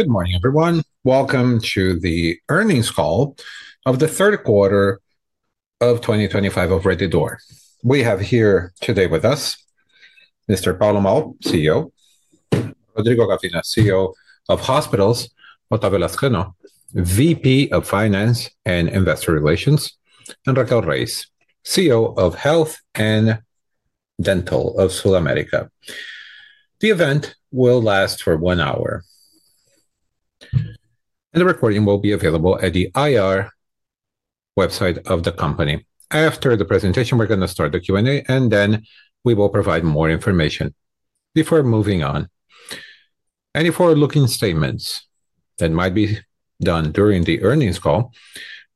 Good morning, everyone. Welcome to the earnings call of the third quarter of 2025 of Rede D'Or. We have here today with us Mr. Paulo Moll, CEO, Rodrigo Gavina, CEO of Hospitals, Otávio Lazcano, VP of Finance and Investor Relations, and Raquel Reiss, CEO of Health and Dental of SulAmérica. The event will last for one hour. The recording will be available at the IR website of the company. After the presentation, we're going to start the Q&A, and then we will provide more information before moving on. Any forward-looking statements that might be done during the earnings call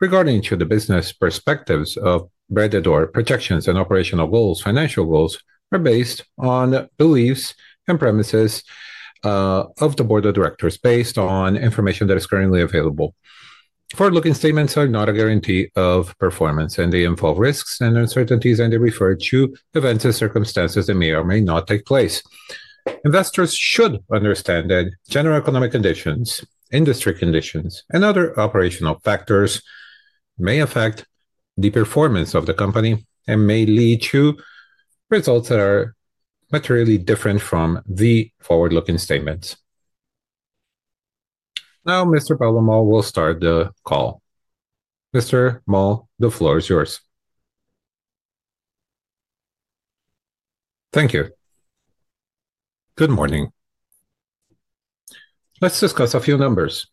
regarding the business perspectives of Rede D'Or, projections and operational goals, financial goals, are based on beliefs and premises of the board of directors based on information that is currently available. Forward-looking statements are not a guarantee of performance, and they involve risks and uncertainties, and they refer to events and circumstances that may or may not take place. Investors should understand that general economic conditions, industry conditions, and other operational factors may affect the performance of the company and may lead to results that are materially different from the forward-looking statements. Now, Mr. Paulo Moll will start the call. Mr. Moll, the floor is yours. Thank you. Good morning. Let's discuss a few numbers.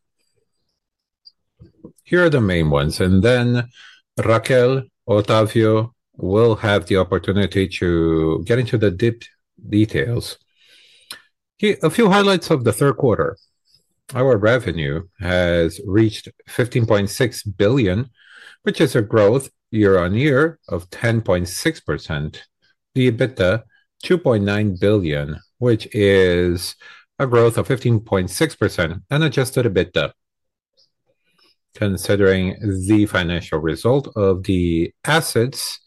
Here are the main ones, and then Raquel, Otávio will have the opportunity to get into the deep details. A few highlights of the third quarter. Our revenue has reached 15.6 billion, which is a growth year-on-year of 10.6%. The EBITDA, 2.9 billion, which is a growth of 15.6% and adjusted EBITDA. Considering the financial result of the assets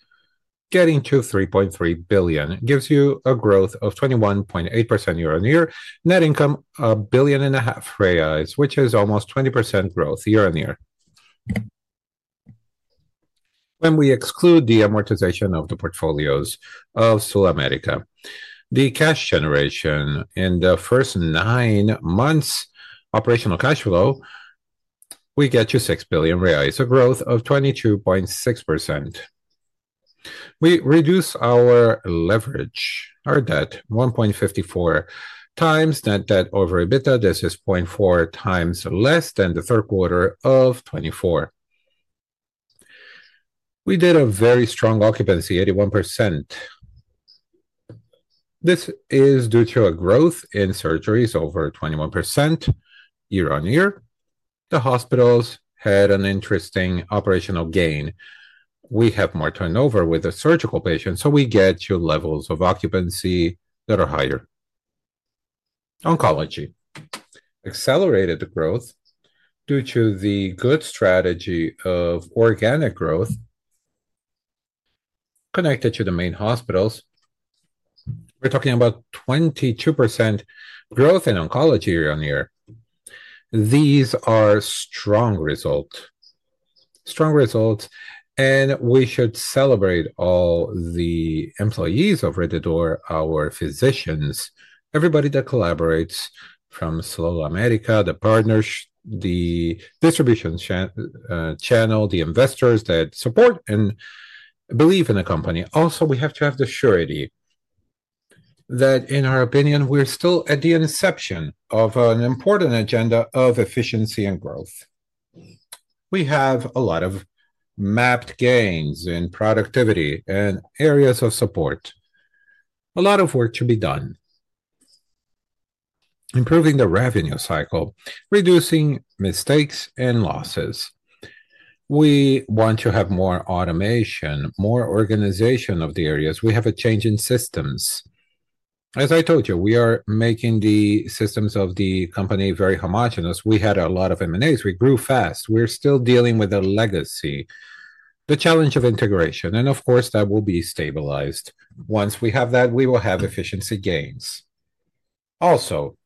getting to 3.3 billion, it gives you a growth of 21.8% year-on-year, net income 1.5 billion, which is almost 20% growth year-on-year. When we exclude the amortization of the portfolios of SulAmérica, the cash generation in the first nine months' operational cash flow. We get to 6 billion reais, a growth of 22.6%. We reduce our leverage, our debt, 1.54x net debt over EBITDA. This is 0.4x less than the third quarter of 2024. We did a very strong occupancy, 81%. This is due to a growth in surgeries over 21% year-on-year. The hospitals had an interesting operational gain. We have more turnover with the surgical patients, so we get to levels of occupancy that are higher. Oncology accelerated the growth due to the good strategy of organic growth. Connected to the main hospitals, we're talking about 22% growth in oncology year-on-year. These are strong results. Strong results, and we should celebrate all the employees of Rede D'Or, our physicians, everybody that collaborates from SulAmérica, the partners, the distribution channel, the investors that support and believe in the company. Also, we have to have the surety that, in our opinion, we're still at the inception of an important agenda of efficiency and growth. We have a lot of mapped gains in productivity and areas of support. A lot of work to be done. Improving the revenue cycle, reducing mistakes and losses. We want to have more automation, more organization of the areas. We have a change in systems. As I told you, we are making the systems of the company very homogenous. We had a lot of M&As. We grew fast. We're still dealing with a legacy. The challenge of integration, and of course, that will be stabilized. Once we have that, we will have efficiency gains. Also,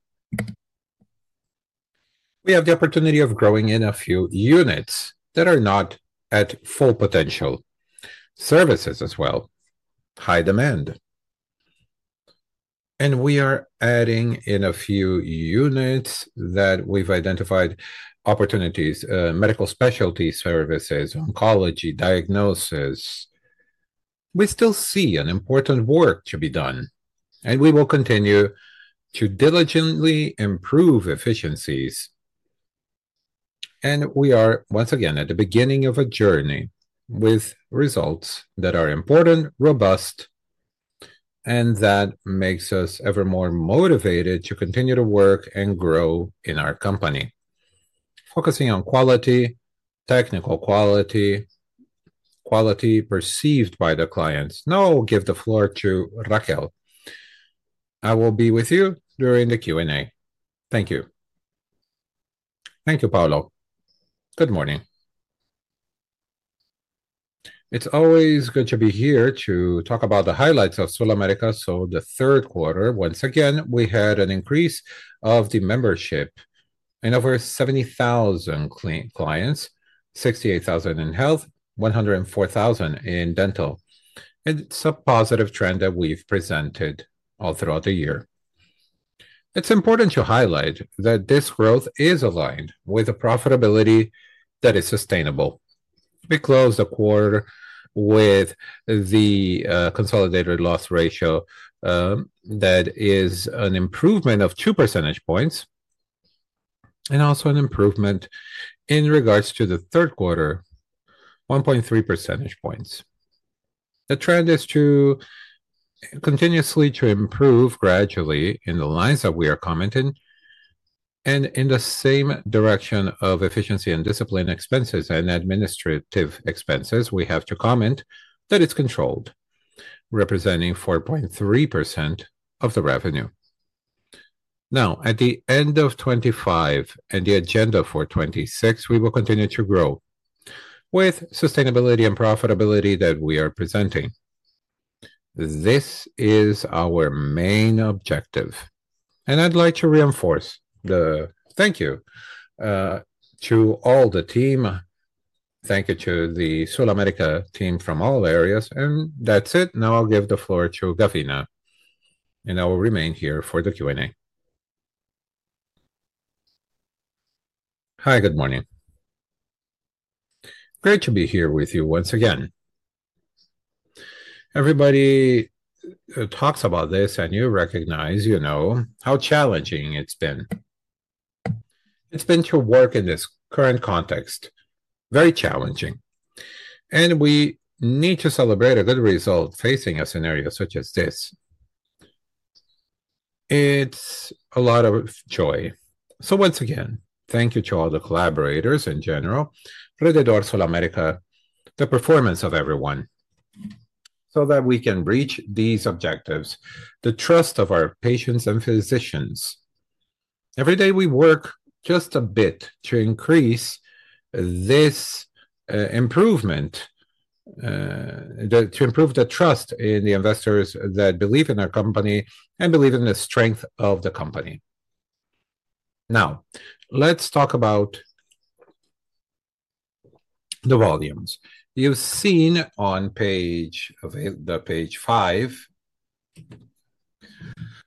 we have the opportunity of growing in a few units that are not at full potential. Services as well. High demand. We are adding in a few units that we've identified opportunities, medical specialty services, oncology, diagnosis. We still see important work to be done, and we will continue to diligently improve efficiencies. We are, once again, at the beginning of a journey with results that are important, robust. That makes us ever more motivated to continue to work and grow in our company. Focusing on quality, technical quality. Quality perceived by the clients. Now I'll give the floor to Raquel. I will be with you during the Q&A. Thank you. Thank you, Paulo. Good morning. It's always good to be here to talk about the highlights of SulAmérica. In the third quarter, once again, we had an increase of the membership. In over 70,000 clients, 68,000 in health, 104,000 in dental. It's a positive trend that we've presented all throughout the year. It's important to highlight that this growth is aligned with a profitability that is sustainable. We closed the quarter with the consolidated loss ratio. That is an improvement of 2 percentage points. And also an improvement in regards to the third quarter, 1.3 percentage points. The trend is to continuously improve gradually in the lines that we are commenting. In the same direction of efficiency and discipline, expenses and administrative expenses, we have to comment that it's controlled, representing 4.3% of the revenue. Now, at the end of 2025 and the agenda for 2026, we will continue to grow. With sustainability and profitability that we are presenting. This is our main objective. I would like to reinforce the thank you to all the team. Thank you to the SulAmérica team from all areas. That is it. Now I will give the floor to Gavina. I will remain here for the Q&A. Hi, good morning. Great to be here with you once again. Everybody talks about this, and you recognize how challenging it has been. It has been to work in this current context, very challenging. We need to celebrate a good result facing a scenario such as this. It is a lot of joy. Once again, thank you to all the collaborators in general, Rede D'Or, SulAmérica, the performance of everyone, so that we can reach these objectives, the trust of our patients and physicians. Every day, we work just a bit to increase this improvement. To improve the trust in the investors that believe in our company and believe in the strength of the company. Now, let's talk about the volumes. You've seen on page five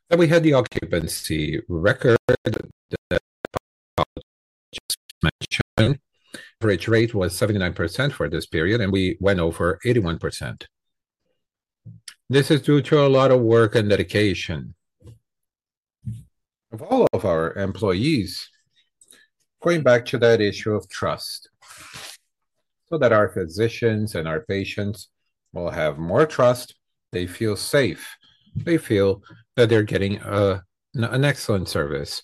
that we had the occupancy record. Average rate was 79% for this period, and we went over 81%. This is due to a lot of work and dedication of all of our employees. Going back to that issue of trust, so that our physicians and our patients will have more trust. They feel safe. They feel that they're getting an excellent service.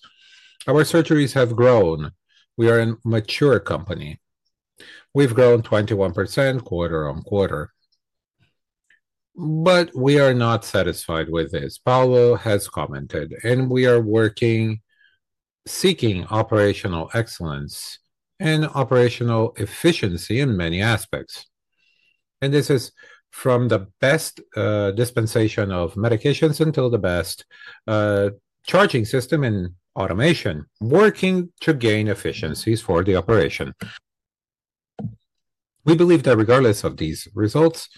Our surgeries have grown. We are a mature company. We've grown 21% quarter-on-quarter. We are not satisfied with this. Paulo has commented, and we are working, seeking operational excellence and operational efficiency in many aspects. This is from the best dispensation of medications until the best. Charging system and automation, working to gain efficiencies for the operation. We believe that regardless of these results,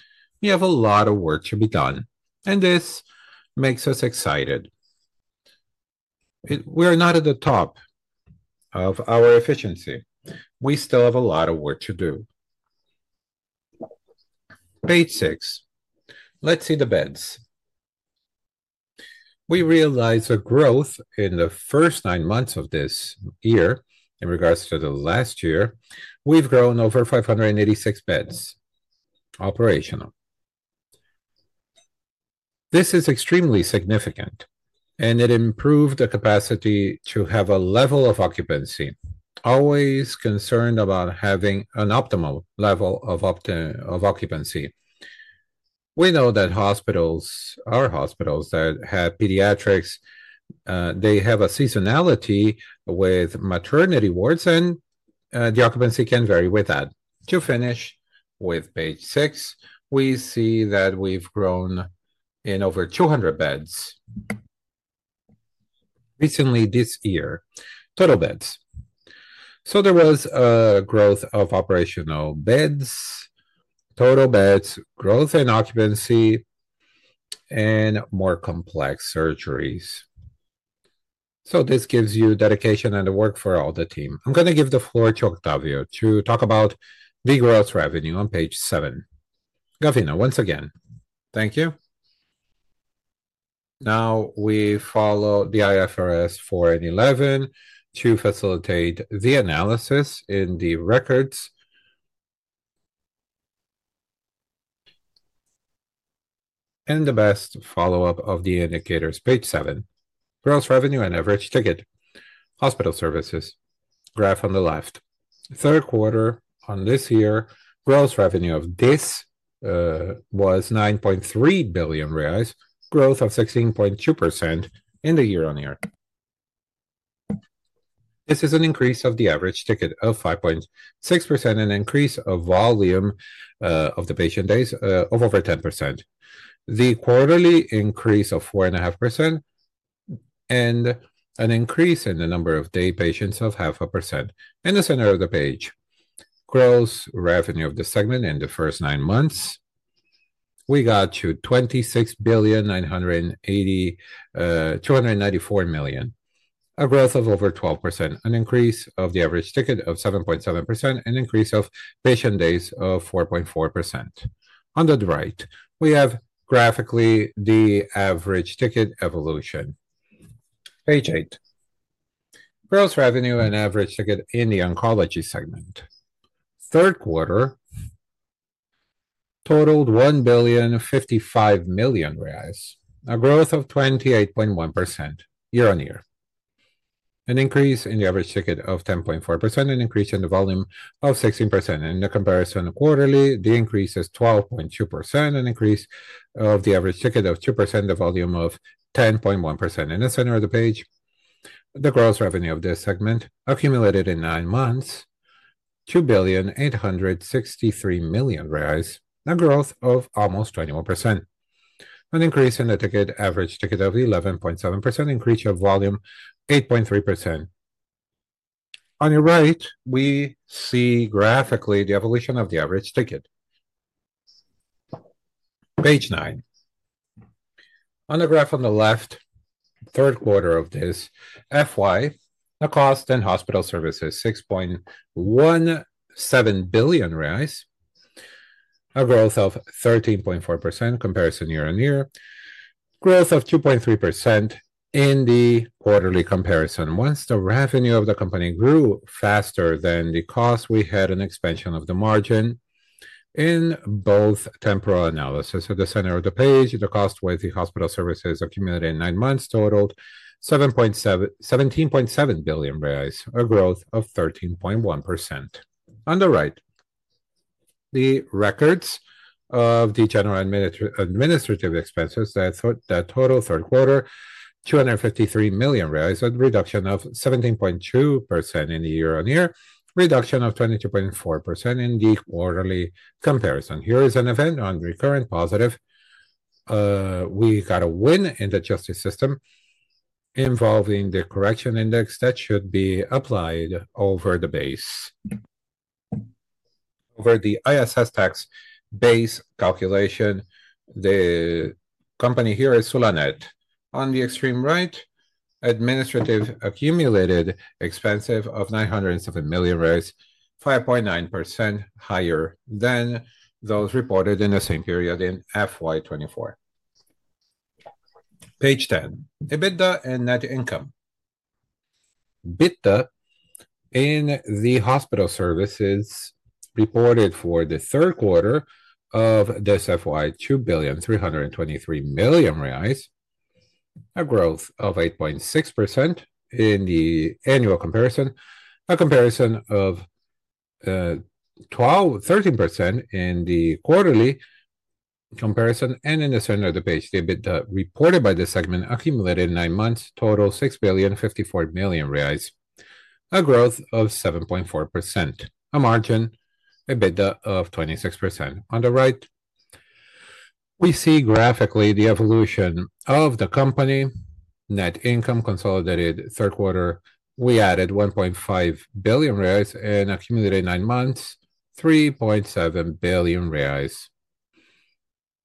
we have a lot of work to be done, and this makes us excited. We are not at the top of our efficiency. We still have a lot of work to do. Page six. Let's see the beds. We realized the growth in the first nine months of this year in regards to the last year. We've grown over 586 beds operational. This is extremely significant, and it improved the capacity to have a level of occupancy. Always concerned about having an optimal level of occupancy. We know that hospitals are hospitals that have pediatrics. They have a seasonality with maternity wards, and the occupancy can vary with that. To finish with page six, we see that we've grown in over 200 beds recently this year, total beds. There was a growth of operational beds. Total beds, growth in occupancy. And more complex surgeries. This gives you dedication and the work for all the team. I'm going to give the floor to Otávio to talk about the growth revenue on page seven. Gavina, once again, thank you. Now we follow the IFRS 17 to facilitate the analysis in the records. And the best follow-up of the indicators, page seven, gross revenue and average ticket, hospital services, graph on the left. Third quarter on this year, gross revenue of this was 9.3 billion reais, growth of 16.2% in the year-on-year. This is an increase of the average ticket of 5.6% and an increase of volume of the patient days of over 10%. The quarterly increase of 4.5%, and an increase in the number of day patients of half a percent. In the center of the page. Gross revenue of the segment in the first nine months. We got to 26.294 million, a growth of over 12%, an increase of the average ticket of 7.7%, and an increase of patient days of 4.4%. On the right, we have graphically the average ticket evolution. Page eight. Gross revenue and average ticket in the oncology segment. Third quarter. Totaled 1.55 billion, a growth of 28.1% year-on-year. An increase in the average ticket of 10.4%, an increase in the volume of 16%. In the comparison quarterly, the increase is 12.2%, an increase of the average ticket of 2%, the volume of 10.1%. In the center of the page, the gross revenue of this segment accumulated in nine months. 2.863 million reais, a growth of almost 21%. An increase in the average ticket of 11.7%, increase of volume 8.3%. On your right, we see graphically the evolution of the average ticket. Page nine. On the graph on the left, third quarter of this FY, the cost and hospital services, 6.17 billion reais. A growth of 13.4% comparison year-on-year, growth of 2.3% in the quarterly comparison. Once the revenue of the company grew faster than the cost, we had an expansion of the margin. In both temporal analysis. At the center of the page, the cost with the hospital services accumulated in nine months totaled 17.7 billion reais, a growth of 13.1%. On the right. The records of the general administrative expenses, that total third quarter, 253 million reais, a reduction of 17.2% in the year-on-year, reduction of 22.4% in the quarterly comparison. Here is an event on recurrent positive. We got a win in the justice system. Involving the correction index that should be applied over the base. Over the ISS tax base calculation. The company here is SulAmérica. On the extreme right. Administrative accumulated expense of 907 million, 5.9% higher than those reported in the same period in FY 2024. Page 10, EBITDA and net income. EBITDA. In the hospital services reported for the third quarter of this FY, 2,323 million reais. A growth of 8.6% in the annual comparison, a comparison of 13% in the quarterly comparison, and in the center of the page, the EBITDA reported by the segment accumulated nine months total 6,054 million reais. A growth of 7.4%, a margin EBITDA of 26%. On the right, we see graphically the evolution of the company. Net income consolidated third quarter, we added 1.5 billion reais and accumulated nine months 3.7 billion reais.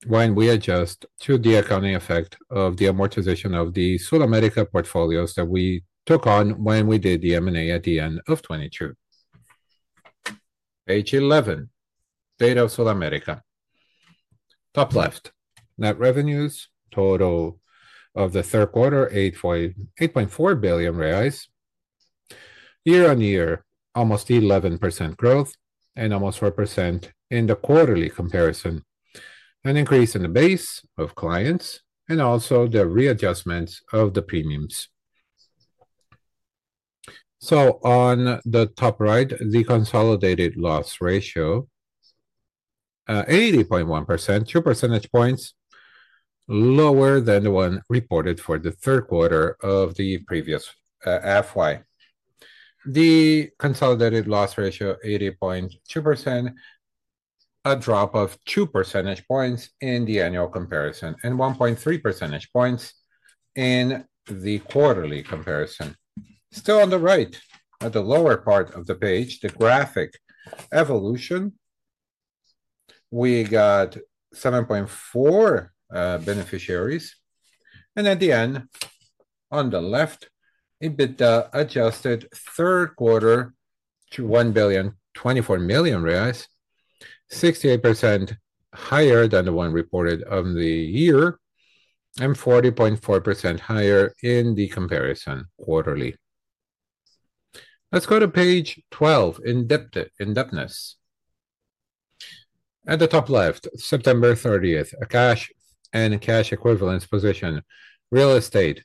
When we adjust to the accounting effect of the amortization of the SulAmérica portfolios that we took on when we did the M&A at the end of 2022. Page 11. Data of SulAmérica. Top left, net revenues total of the third quarter, 8.4 billion reais. Year-on-year, almost 11% growth and almost 4% in the quarterly comparison. An increase in the base of clients and also the readjustments of the premiums. On the top right, the consolidated loss ratio. 80.1%, 2 percentage points lower than the one reported for the third quarter of the previous fiscal year. The consolidated loss ratio, 80.2%. A drop of 2 percentage points in the annual comparison and 1.3 percentage points in the quarterly comparison. Still on the right, at the lower part of the page, the graphic evolution. We got 7.4 million beneficiaries, and at the end on the left, Adjusted EBITDA third quarter to 1.24 million reais. 68% higher than the one reported on the year And 40.4% higher in the comparison quarterly. Let's go to page 12, indebtedness. At the top left, September 30, a cash and cash equivalence position. Real estate.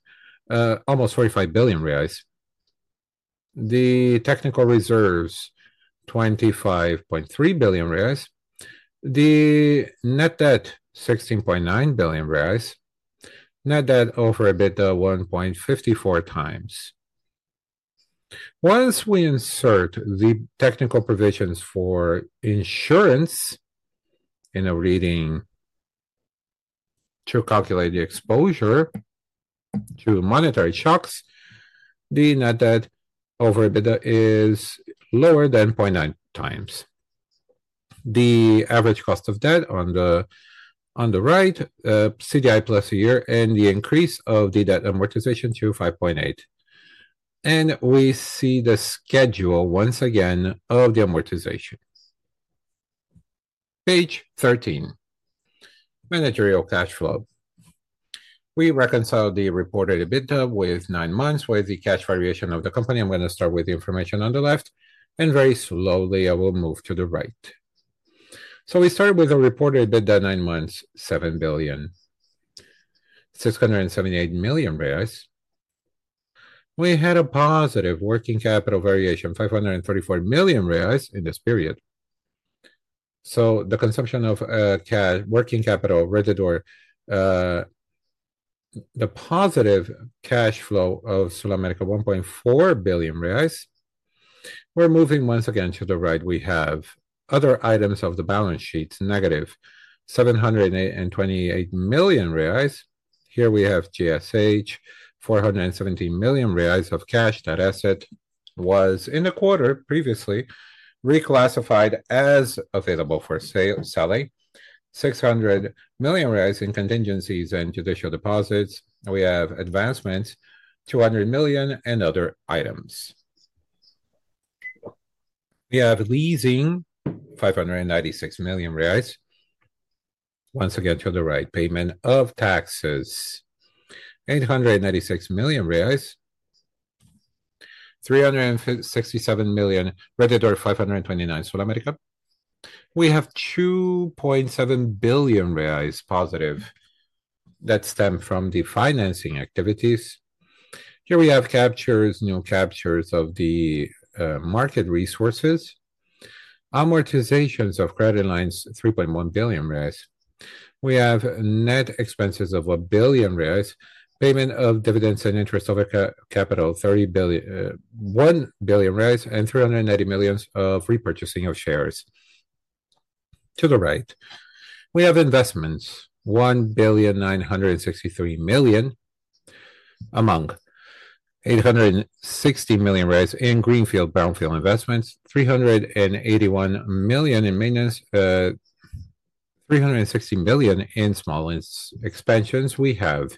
Almost 45 billion reais. The technical reserves, 25.3 billion reais. The net debt, 16.9 billion reais. Net debt over EBITDA, 1.54x. Once we insert the technical provisions for insurance in a reading to calculate the exposure to monetary shocks, the net debt over EBITDA is lower than 0.9x. The average cost of debt on the right, CDI plus a year, and the increase of the debt amortization to 5.8x. And we see the schedule once again of the amortization. Page 13, Managerial Cash Flow. We reconcile the reported EBITDA with nine months with the cash variation of the company. I'm going to start with the information on the left, and very slowly, I will move to the right. We started with a reported EBITDA nine months, 7.678 billion. We had a positive working capital variation, 534 million reais in this period. The consumption of working capital, Rede D'Or. The positive cash flow of SulAmérica, 1.4 billion reais. We're moving once again to the right. We have other items of the balance sheets, -728 million reais. Here we have GSH, 417 million reais of cash. That asset was in the quarter previously reclassified as available for selling, 600 million in contingencies and judicial deposits. We have advancements, 200 million, and other items. We have leasing, 596 million reais. Once again to the right, payment of taxes, 896 million reais. 367 million, Rede D'Or, 529 million, SulAmérica. We have 2 7 billion reais+. That stem from the financing activities. Here we have captures, new captures of the market resources. Amortizations of credit lines, 3.1 billion reais. We have net expenses of 1 billion reais, payment of dividends and interest of capital, 1.1 billion, and 380 million of repurchasing of shares. To the right, we have investments, 1,963 million. Among 860 million reais in Greenfield Brownfield investments, 381 million in small expansions. We have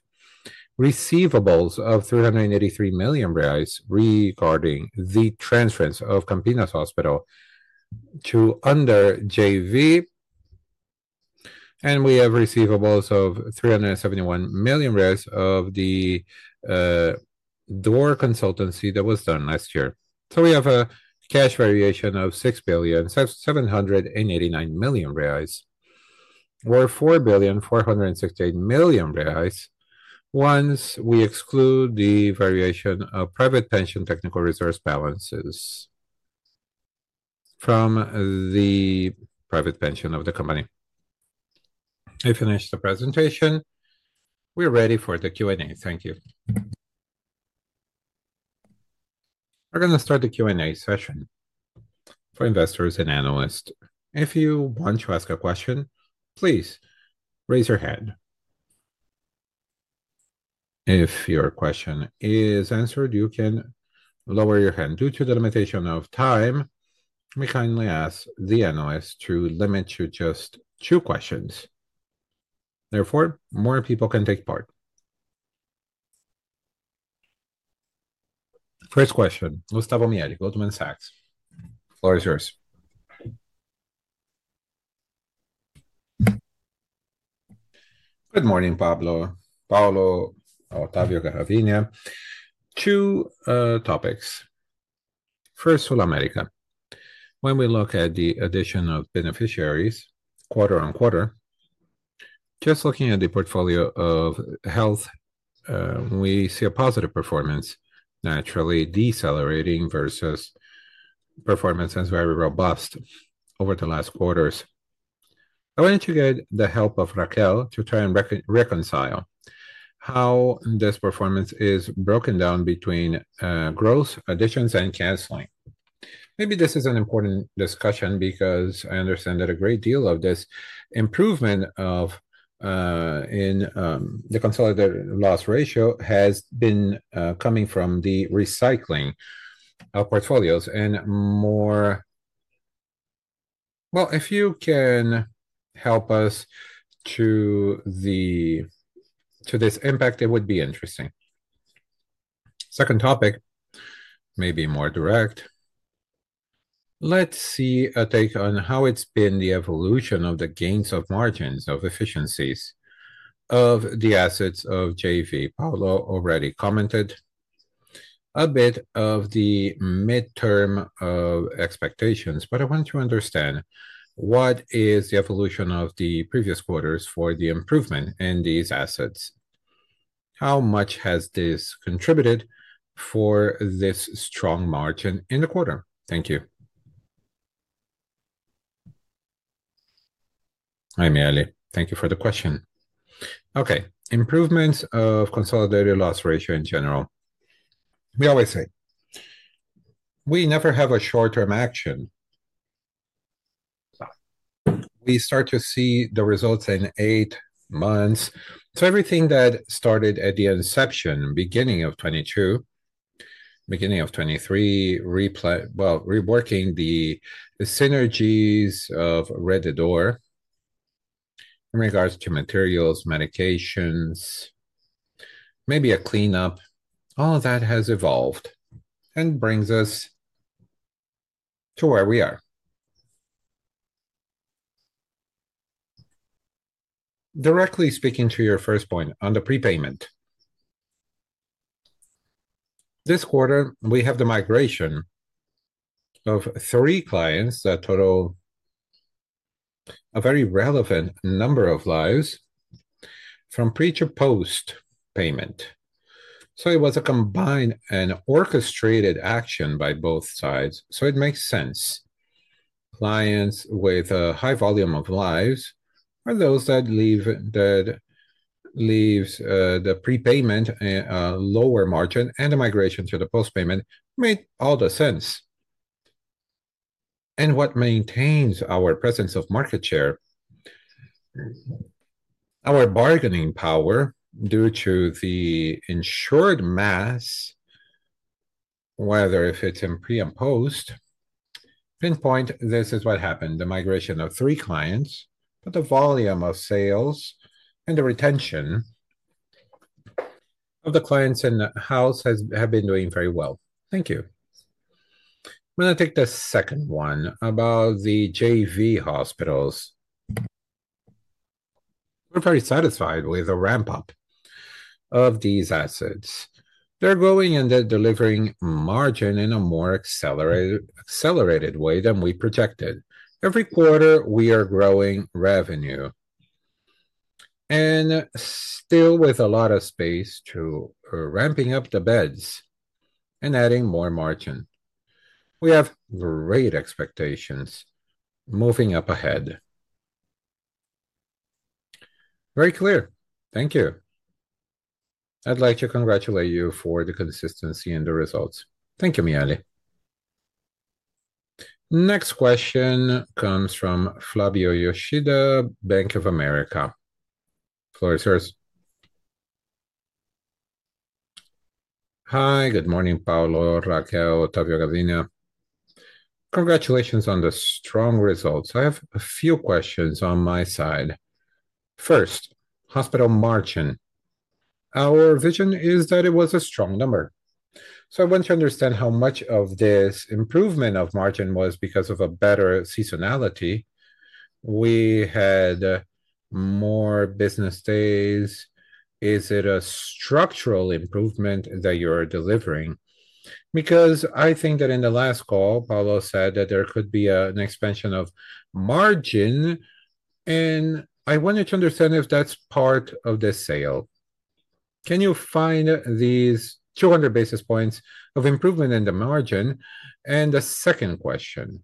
receivables of 383 million reais regarding the transference of Campinas Hospital to under JV. And we have receivables of 371 million of the D'Or consultancy that was done last year. We have a cash variation of 6,789 million reais or 4,468 million reais once we exclude the variation of private pension technical resource balances from the private pension of the company. I finished the presentation. We're ready for the Q&A. Thank you. We're going to start the Q&A session. For investors and analysts, if you want to ask a question, please raise your hand. If your question is answered, you can lower your hand. Due to the limitation of time, we kindly ask the analyst to limit to just two questions. Therefore, more people can take part. First question Gustavo Miele, Goldman Sachs. Floor is yours. Good morning, Paulo. Paulo, Otávio, and Gavina. Two topics. First, SulAmérica. When we look at the addition of beneficiaries quarter on quarter, just looking at the portfolio of health, we see a positive performance, naturally decelerating versus performance that's very robust over the last quarters. I wanted to get the help of Raquel to try and reconcile how this performance is broken down between growth, additions, and canceling. Maybe this is an important discussion because I understand that a great deal of this improvement. In the consolidated loss ratio has been coming from the recycling of portfolios and more. If you can help us to this impact, it would be interesting. Second topic, maybe more direct. Let's see a take on how it's been the evolution of the gains of margins, of efficiencies, of the assets of JV. Paulo already commented a bit of the midterm expectations, but I want to understand what is the evolution of the previous quarters for the improvement in these assets. How much has this contributed for this strong margin in the quarter? Thank you. Hi, Miele. Thank you for the question. Okay. Improvements of consolidated loss ratio in general, we always say we never have a short-term action. We start to see the results in eight months. Everything that started at the inception, beginning of 2022, beginning of 2023, reworking the synergies of Rede D'Or. in regards to materials, medications. Maybe a cleanup. All of that has evolved and brings us to where we are. Directly speaking to your first point on the prepayment. This quarter, we have the migration of three clients, a total, a very relevant number of lives, from pre-to-post payment. It was a combined and orchestrated action by both sides. It makes sense. Clients with a high volume of lives are those that leave the prepayment. A lower margin and a migration to the post-payment made all the sense. What maintains our presence of market share is our bargaining power due to the insured mass, whether if it's in pre and post. Pinpoint, this is what happened. The migration of three clients, but the volume of sales and the retention of the clients in the house have been doing very well. Thank you. I'm going to take the second one about the JV hospitals. We're very satisfied with the ramp-up of these assets. They're growing and they're delivering margin in a more accelerated way than we projected. Every quarter, we are growing revenue, and still with a lot of space to ramping up the beds and adding more margin. We have great expectations moving up ahead. Very clear. Thank you. I'd like to congratulate you for the consistency in the results. Thank you, Miele. Next question comes from Flávio Yoshida, Bank of America. Floor is yours. Hi, good morning, Paulo, Raquel, Otávio Gavina. Congratulations on the strong results. I have a few questions on my side. First, hospital margin. Our vision is that it was a strong number, so I want to understand how much of this improvement of margin was because of a better seasonality. We had more business days. Is it a structural improvement that you're delivering? Because I think that in the last call, Paulo said that there could be an expansion of margin. I wanted to understand if that's part of the sale. Can you find these 200 basis points of improvement in the margin? The second question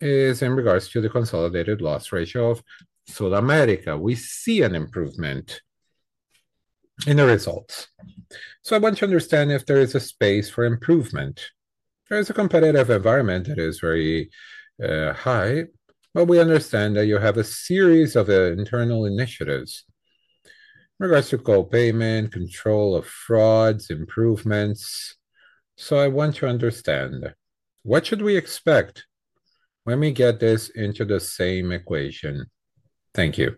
is in regards to the consolidated loss ratio of SulAmérica. We see an improvement in the results. I want to understand if there is a space for improvement. There is a competitive environment that is very high, but we understand that you have a series of internal initiatives in regards to co-participation, control of frauds, improvements. I want to understand what should we expect when we get this into the same equation. Thank you.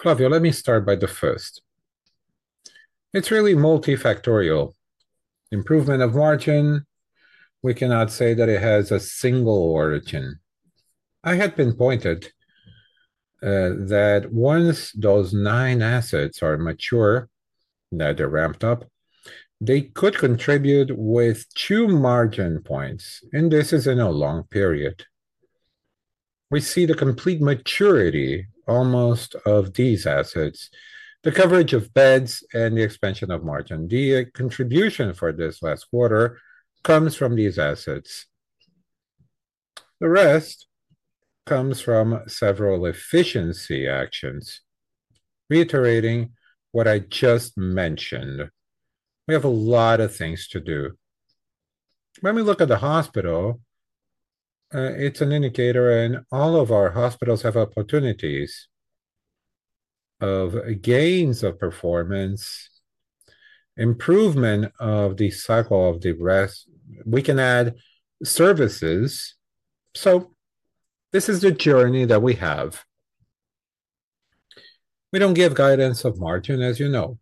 Flavio, let me start by the first. It's really multifactorial. Improvement of margin, we cannot say that it has a single origin. I had pinpointed that once those nine assets are mature, that they're ramped up, they could contribute with two margin points, and this is in a long period. We see the complete maturity almost of these assets, the coverage of beds, and the expansion of margin. The contribution for this last quarter comes from these assets. The rest comes from several efficiency actions. Reiterating what I just mentioned, we have a lot of things to do. When we look at the hospital, it's an indicator, and all of our hospitals have opportunities of gains of performance. Improvement of the cycle of the rest. We can add services. This is the journey that we have. We do not give guidance of margin, as you know.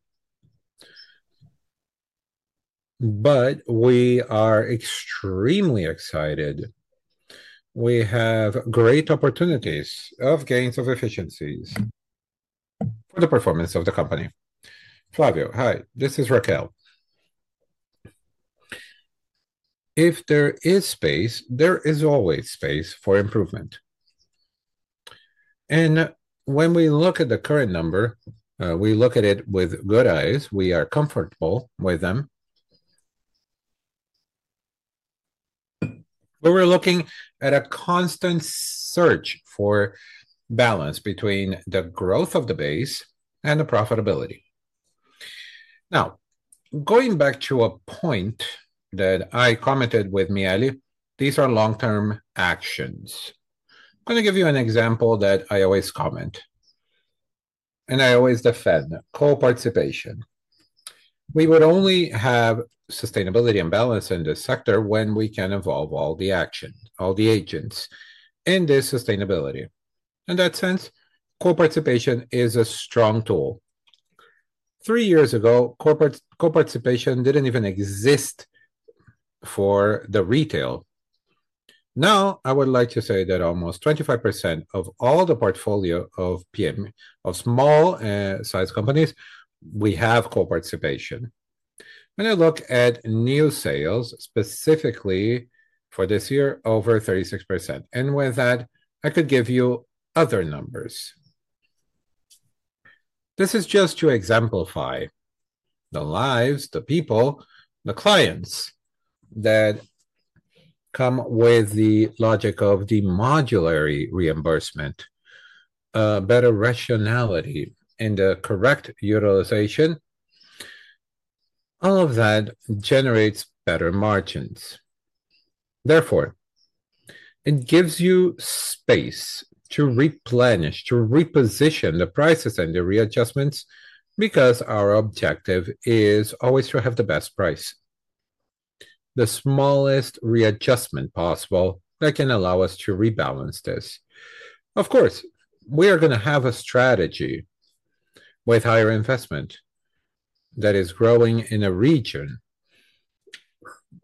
We are extremely excited. We have great opportunities of gains of efficiencies. For the performance of the company. Flavio, hi, this is Raquel. If there is space, there is always space for improvement. When we look at the current number, we look at it with good eyes. We are comfortable with them. We're looking at a constant search for balance between the growth of the base and the profitability. Now, going back to a point that I commented with Miele, these are long-term actions. I'm going to give you an example that I always comment. I always defend co-participation. We would only have sustainability and balance in this sector when we can involve all the action, all the agents in this sustainability. In that sense, co-participation is a strong tool. Three years ago, co-participation didn't even exist for the retail. Now, I would like to say that almost 25% of all the portfolio of small-sized companies, we have co-participation. When I look at new sales, specifically for this year, over 36%. And with that, I could give you other numbers. This is just to exemplify. The lives, the people, the clients that come with the logic of the modular reimbursement, better rationality, and the correct utilization. All of that generates better margins. Therefore, it gives you space to replenish, to reposition the prices and the readjustments because our objective is always to have the best price, the smallest readjustment possible that can allow us to rebalance this. Of course, we are going to have a strategy with higher investment that is growing in a region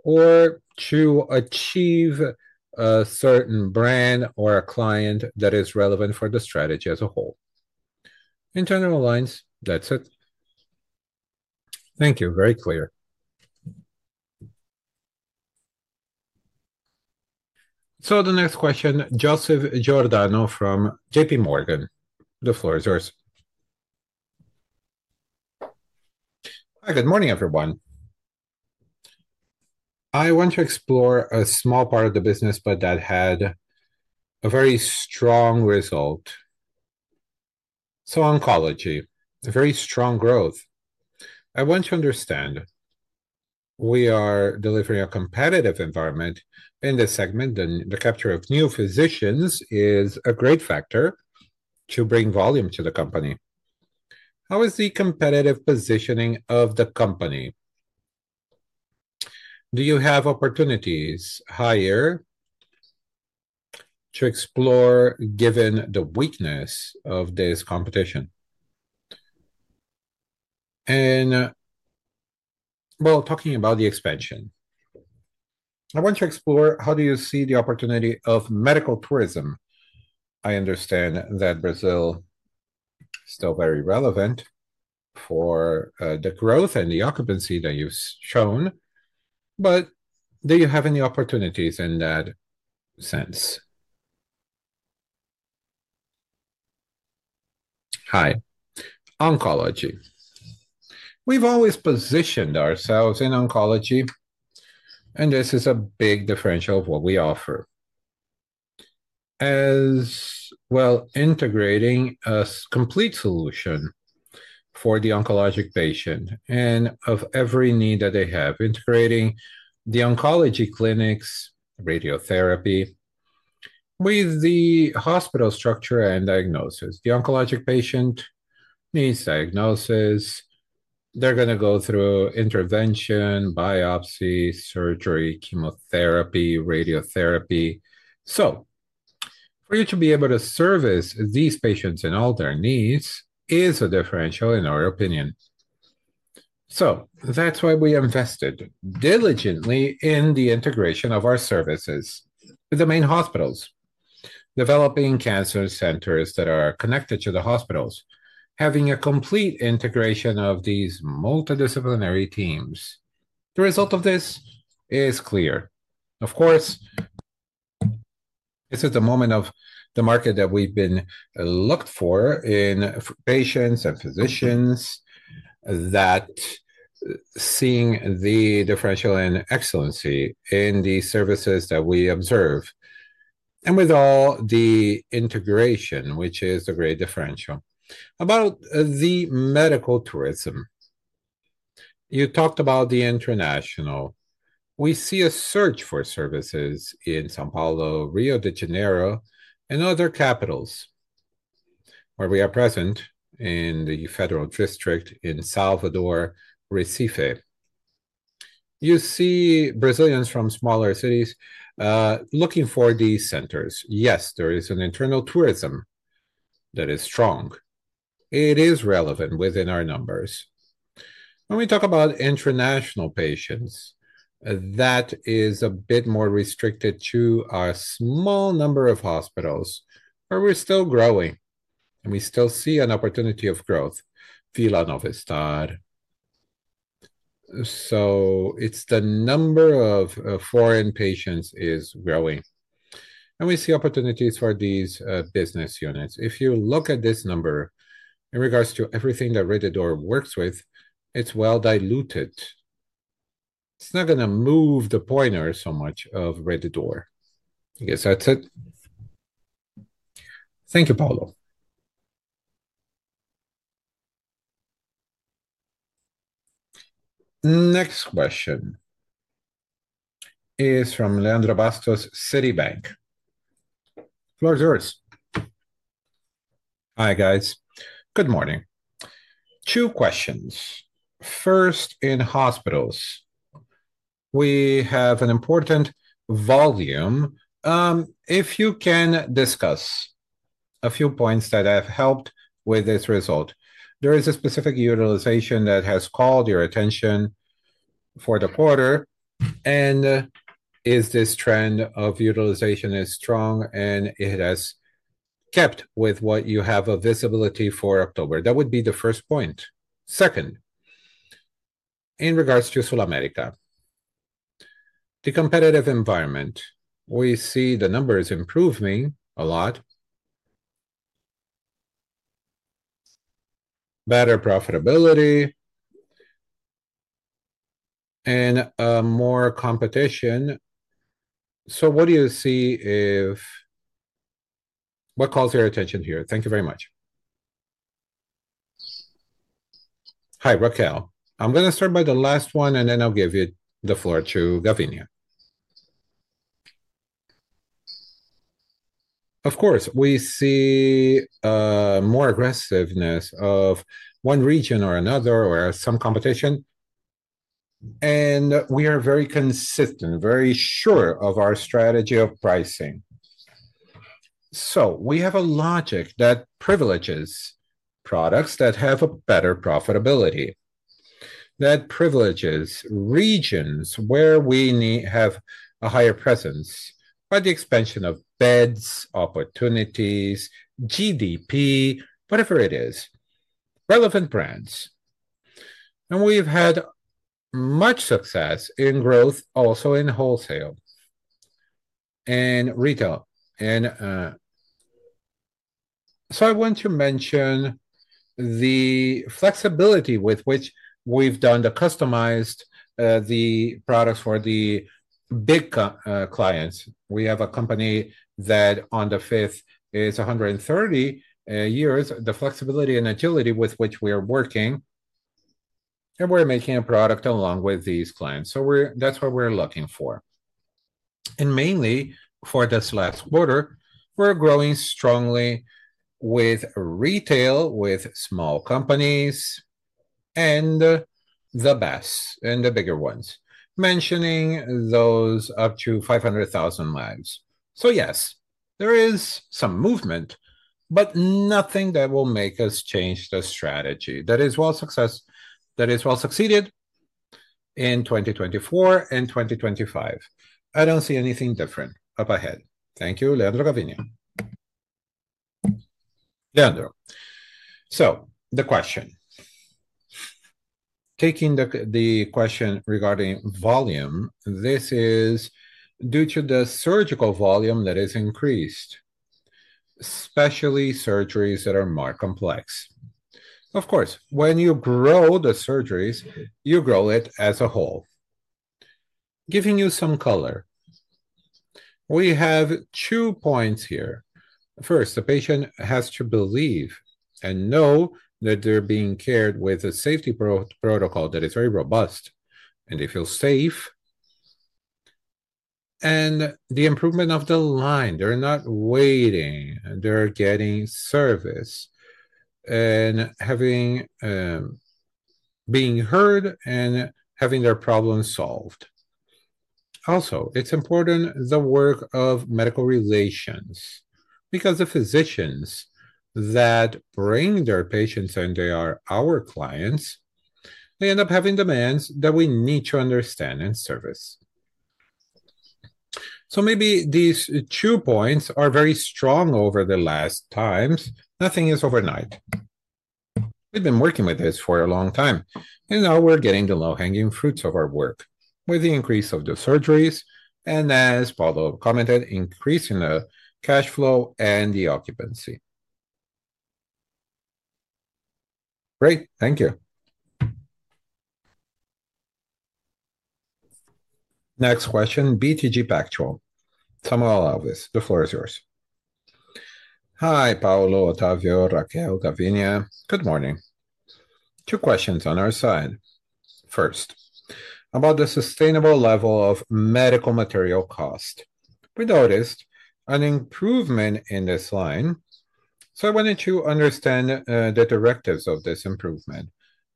or to achieve a certain brand or a client that is relevant for the strategy as a whole. Internal lines, that's it. Thank you. Very clear. The next question, Joseph Giordano from JPMorgan. The floor is yours. Hi, good morning, everyone. I want to explore a small part of the business, but that had a very strong result. Oncology, a very strong growth. I want to understand. We are delivering a competitive environment in this segment. The capture of new physicians is a great factor to bring volume to the company. How is the competitive positioning of the company? Do you have opportunities higher to explore given the weakness of this competition? Talking about the expansion. I want to explore how do you see the opportunity of medical tourism. I understand that Brazil is still very relevant for the growth and the occupancy that you've shown. Do you have any opportunities in that sense? Hi. Oncology. We've always positioned ourselves in oncology, and this is a big differential of what we offer. As well, integrating a complete solution for the oncologic patient and of every need that they have, integrating the oncology clinics, radiotherapy, with the hospital structure and diagnosis. The oncologic patient needs diagnosis. They're going to go through intervention, biopsy, surgery, chemotherapy, radiotherapy. For you to be able to service these patients and all their needs is a differential, in our opinion. That's why we invested diligently in the integration of our services with the main hospitals, developing cancer centers that are connected to the hospitals, having a complete integration of these multidisciplinary teams. The result of this is clear. Of course, this is the moment of the market that we've been looked for in patients and physicians, that seeing the differential in excellency in the services that we observe. With all the integration, which is the great differential. About the medical tourism. You talked about the international. We see a search for services in São Paulo, Rio de Janeiro, and other capitals where we are present in the Federal District, in Salvador, Recife. You see Brazilians from smaller cities looking for these centers. Yes, there is an internal tourism that is strong. It is relevant within our numbers. When we talk about international patients, that is a bit more restricted to a small number of hospitals where we're still growing, and we still see an opportunity of growth. Vila Nova Estade. So it's the number of foreign patients that is growing, and we see opportunities for these business units. If you look at this number in regards to everything that Rede D'Or works with, it's well-diluted. It's not going to move the pointer so much of Rede D'Or. I guess that's it. Thank you, Paulo. Next question is from Leandro Bastos, Citibank. Floor is yours. Hi, guys. Good morning. Two questions. First, in hospitals. We have an important volume. If you can discuss a few points that have helped with this result. There is a specific utilization that has called your attention for the quarter. Is this trend of utilization strong, and it has kept with what you have of visibility for October? That would be the first point. Second, in regards to SulAmérica, the competitive environment. We see the numbers improving a lot. Better profitability and more competition. What do you see if, what calls your attention here? Thank you very much. Hi, Raquel. I'm going to start by the last one, and then I'll give you the floor to Gavina. Of course, we see more aggressiveness of one region or another or some competition. We are very consistent, very sure of our strategy of pricing. We have a logic that privileges products that have better profitability. That privileges regions where we have a higher presence by the expansion of beds, opportunities, GDP, whatever it is. Relevant brands. We have had much success in growth, also in wholesale and retail. I want to mention the flexibility with which we have done the customized products for the big clients. We have a company that on the fifth is 130 years, the flexibility and agility with which we are working. We are making a product along with these clients. That is what we are looking for. Mainly for this last quarter, we are growing strongly with retail, with small companies, and the best and the bigger ones, mentioning those up to 500,000 lives. Yes, there is some movement, but nothing that will make us change the strategy. That is well success, that is well succeeded. In 2024 and 2025. I do not see anything different up ahead. Thank you, Leandro, over to you. Leandro. So the question. Taking the question regarding volume, this is due to the surgical volume that has increased, especially surgeries that are more complex. Of course, when you grow the surgeries, you grow it as a whole. Giving you some color. We have two points here. First, the patient has to believe and know that they are being cared with a safety protocol that is very robust, and they feel safe. The improvement of the line. They are not waiting. They are getting service. Being heard and having their problem solved. Also, it is important the work of medical relations because the physicians that bring their patients and they are our clients, they end up having demands that we need to understand and service. Maybe these two points are very strong over the last times. Nothing is overnight. We've been working with this for a long time. Now we're getting the low-hanging fruits of our work with the increase of the surgeries and, as Paulo commented, increasing the cash flow and the occupancy. Great. Thank you. Next question, BTG Pactual. Samuel Alves. The floor is yours. Hi, Paulo, Otávio, Raquel, Gavina. Good morning. Two questions on our side. First, about the sustainable level of medical material cost. We noticed an improvement in this line. I wanted to understand the directives of this improvement,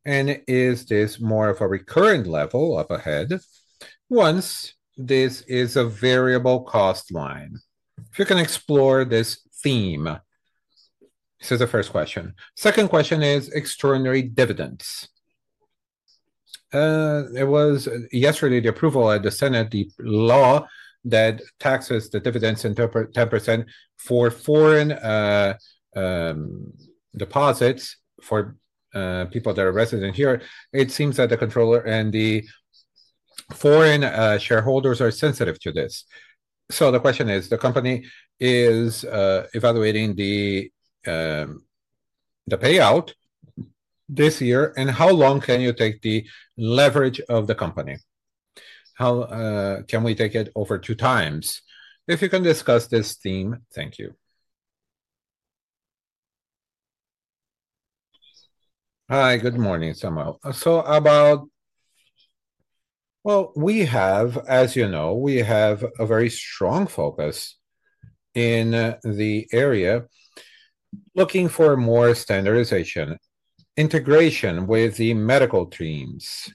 and is this more of a recurrent level up ahead, once this is a variable cost line? If you can explore this theme, this is the first question. Second question is extraordinary dividends. It was yesterday, the approval at the Senate, the law that taxes the dividends 10% for foreign. Deposits for people that are resident here. It seems that the controller and the foreign shareholders are sensitive to this. So the question is, the company is evaluating the payout this year. And how long can you take the leverage of the company? Can we take it over two times? If you can discuss this theme, thank you. Hi, good morning, Samuel, as you know, we have a very strong focus in the area, looking for more standardization, integration with the medical teams.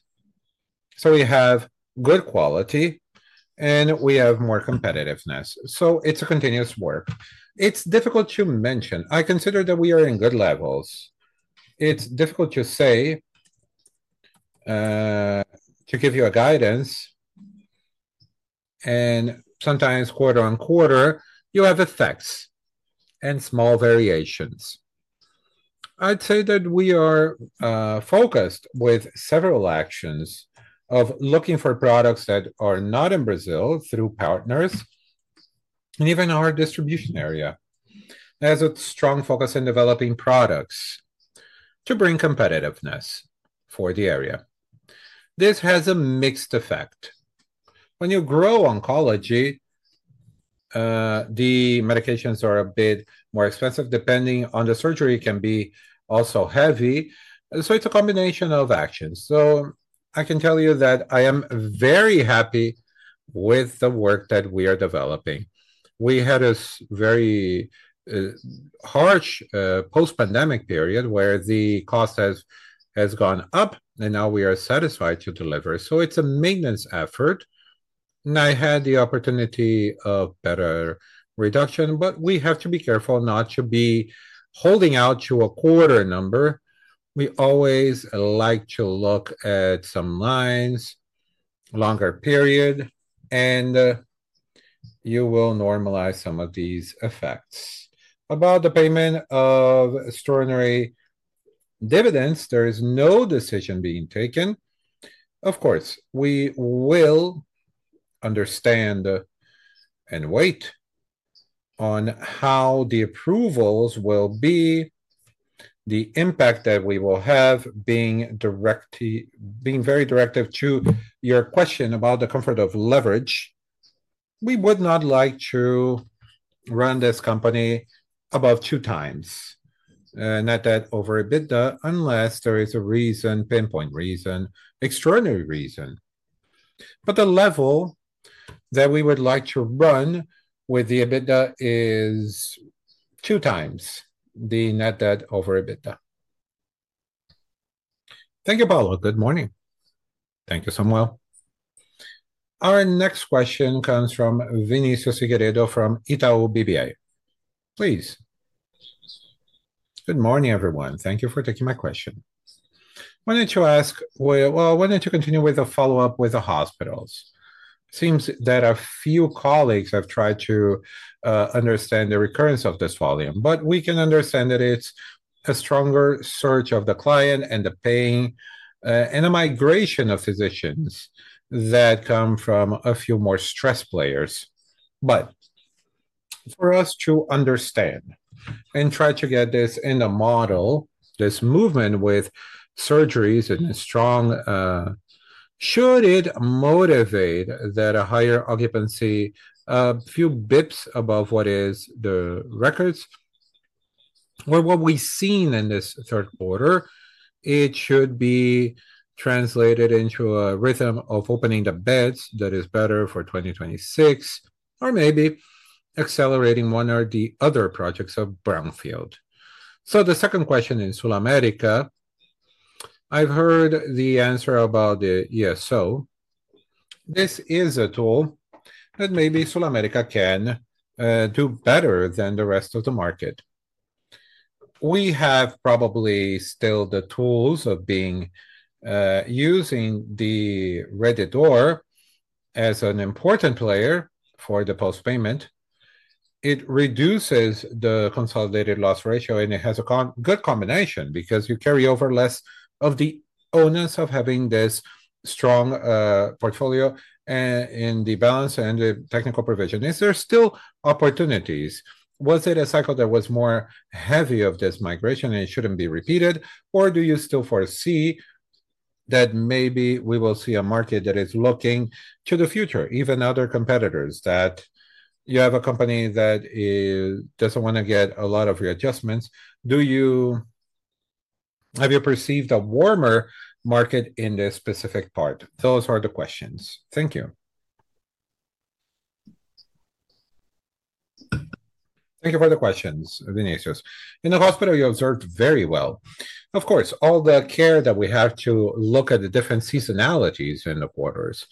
We have good quality, and we have more competitiveness. It is a continuous work. It is difficult to mention. I consider that we are in good levels. It is difficult to say, to give you guidance. Sometimes quarter on quarter, you have effects and small variations. I'd say that we are focused with several actions of looking for products that are not in Brazil through partners. Even our distribution area has a strong focus in developing products to bring competitiveness for the area. This has a mixed effect. When you grow oncology, the medications are a bit more expensive. Depending on the surgery, it can be also heavy. It is a combination of actions. I can tell you that I am very happy with the work that we are developing. We had a very harsh post-pandemic period where the cost has gone up, and now we are satisfied to deliver. It is a maintenance effort. I had the opportunity of better reduction. We have to be careful not to be holding out to a quarter number. We always like to look at some lines, longer period. You will normalize some of these effects. About the payment of extraordinary dividends, there is no decision being taken. Of course, we will understand and wait on how the approvals will be, the impact that we will have. Being very directive to your question about the comfort of leverage, we would not like to run this company above 2x net debt over EBITDA unless there is a reason, pinpoint reason, extraordinary reason. But the level that we would like to run with the EBITDA is 2x the net debt over EBITDA. Thank you, Paulo. Good morning. Thank you, Samuel. Our next question comes from Vinícius Figueiredo from Itaú BBA. Please. Good morning, everyone. Thank you for taking my question. I wanted to ask, I wanted to continue with the follow-up with the hospitals. Seems that a few colleagues have tried to understand the recurrence of this volume. We can understand that it's a stronger surge of the client and the paying, and a migration of physicians that come from a few more stressed players. For us to understand and try to get this in a model, this movement with surgeries and strong, should it motivate a higher occupancy, a few basis points above what is the records or what we've seen in this third quarter, it should be translated into a rhythm of opening the beds that is better for 2026, or maybe accelerating one or the other projects of Brownfield. The second question in SulAmérica, I've heard the answer about the ESO. This is a tool that maybe SulAmérica can do better than the rest of the market. We have probably still the tools of being, using the Rede D'Or as an important player for the post-payment. It reduces the consolidated loss ratio, and it has a good combination because you carry over less of the onus of having this strong portfolio in the balance and the technical provision. Is there still opportunities? Was it a cycle that was more heavy of this migration, and it should not be repeated? Or do you still foresee that maybe we will see a market that is looking to the future, even other competitors, that you have a company that does not want to get a lot of readjustments? Have you perceived a warmer market in this specific part? Those are the questions. Thank you. Thank you for the questions, Vinícius. In the hospital, you observed very well. Of course, all the care that we have to look at the different seasonalities in the quarters.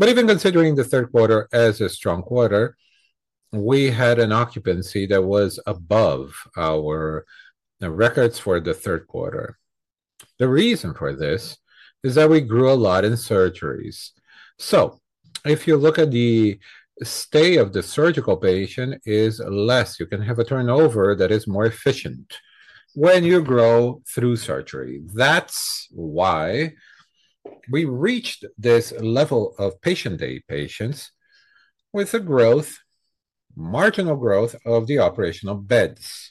Even considering the third quarter as a strong quarter. We had an occupancy that was above our records for the third quarter. The reason for this is that we grew a lot in surgeries. If you look at the stay of the surgical patient, it is less. You can have a turnover that is more efficient when you grow through surgery. That's why we reached this level of patient day patients with the marginal growth of the operational beds.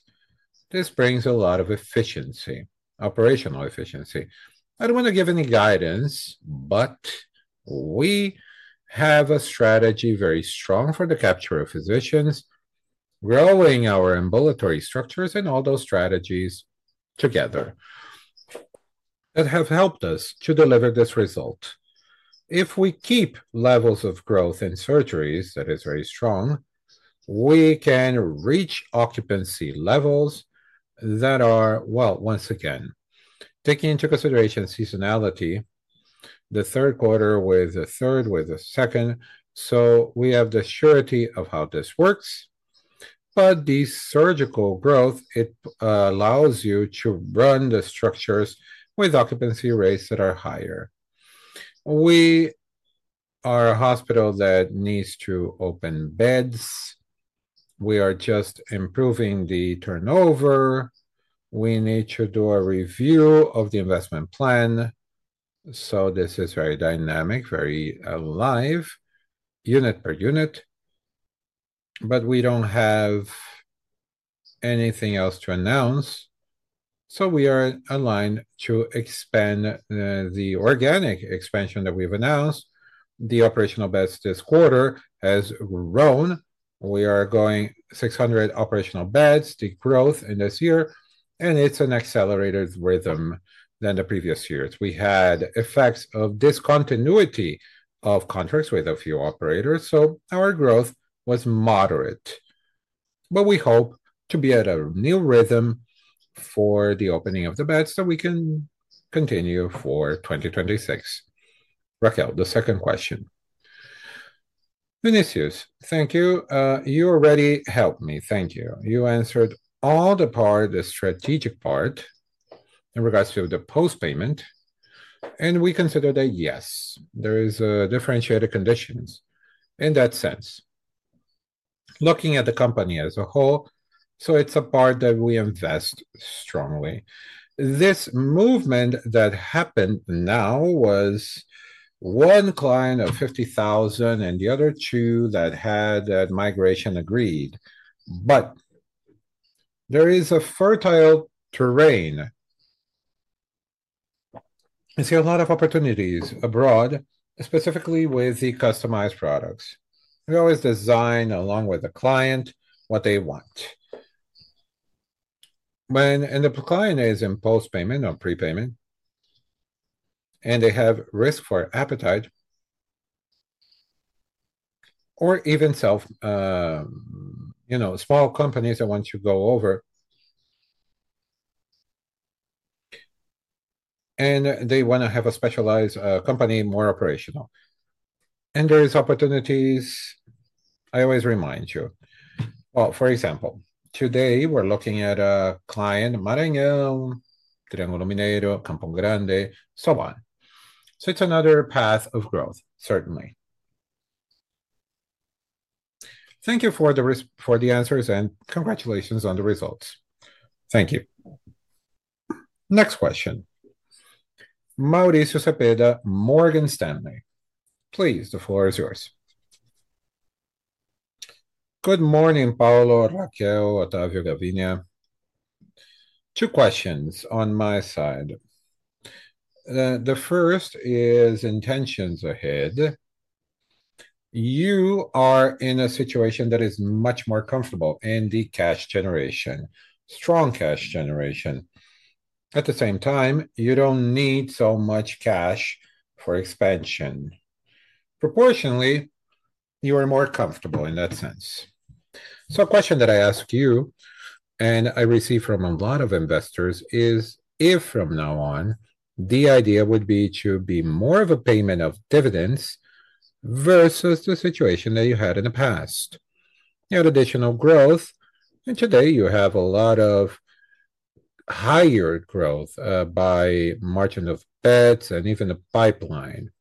This brings a lot of efficiency, operational efficiency. I don't want to give any guidance, but we have a strategy very strong for the capture of physicians, growing our ambulatory structures and all those strategies together that have helped us to deliver this result. If we keep levels of growth in surgeries that are very strong, we can reach occupancy levels that are, well, once again, taking into consideration seasonality, the third quarter with the third, with the second. We have the surety of how this works. The surgical growth, it allows you to run the structures with occupancy rates that are higher. We are a hospital that needs to open beds. We are just improving the turnover. We need to do a review of the investment plan. This is very dynamic, very alive. Unit per unit. We do not have anything else to announce. We are aligned to expand the organic expansion that we have announced. The operational beds this quarter have grown. We are going 600 operational beds, the growth in this year. It is an accelerated rhythm than the previous years. We had effects of discontinuity of contracts with a few operators. Our growth was moderate. We hope to be at a new rhythm for the opening of the beds so we can continue for 2026. Raquel, the second question. Vinícius, thank you. You already helped me. Thank you. You answered all the strategic part. In regards to the post-payment. We consider that, yes, there are differentiated conditions in that sense. Looking at the company as a whole, it is a part that we invest strongly. This movement that happened now was one client of 50,000 and the other two that had migration agreed. There is a fertile terrain. You see a lot of opportunities abroad, specifically with the customized products. We always design along with the client what they want. When the client is in post-payment or pre-payment and they have risk for appetite. Or even small companies that want to go over and they want to have a specialized company, more operational. There are opportunities. I always remind you, for example, today we are looking at a client, Marañón, Triângulo Mineiro, Campo Grande, and so on. It's another path of growth, certainly. Thank you for the answers and congratulations on the results. Thank you. Next question. Mauricio Zepeda, Morgan Stanley. Please, the floor is yours. Good morning, Paulo, Raquel, Otávio, Gavina. Two questions on my side. The first is intentions ahead. You are in a situation that is much more comfortable in the cash generation, strong cash generation. At the same time, you do not need so much cash for expansion. Proportionally, you are more comfortable in that sense. A question that I ask you, and I receive from a lot of investors, is if from now on, the idea would be to be more of a payment of dividends versus the situation that you had in the past. You had additional growth, and today you have a lot of higher growth by margin of beds and even the pipeline.